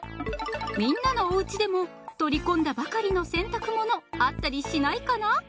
みんなのおうちでも取り込んだばかりの洗濯物あったりしないかな？